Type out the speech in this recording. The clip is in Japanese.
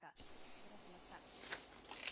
失礼しました。